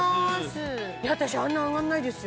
私あんな上がらないですよ